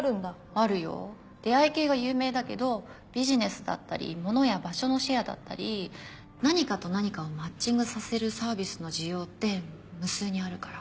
あるよ出会い系が有名だけどビジネスだったり物や場所のシェアだったり何かと何かをマッチングさせるサービスの需要って無数にあるから。